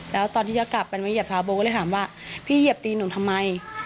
แล้วตอนที่จะกลับกันมาเหยียบเท้าโบก็เลยถามว่าพี่เหยียบตีหนูทำไม